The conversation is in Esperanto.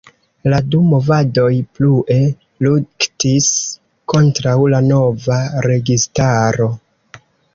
La du movadoj plue luktis kontraŭ la nova registaro.